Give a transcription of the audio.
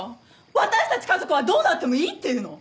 私たち家族はどうなってもいいっていうの？